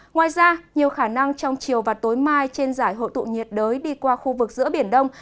ngoài ra nhiều khả năng trong chiều và tối mai trên giải hộ tụ nhiệt đới đi qua khu vực giữa biển đông